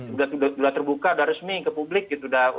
sudah terbuka sudah resmi ke publik gitu